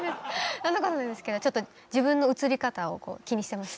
そんなことないですけどちょっと自分の映り方を気にしてました。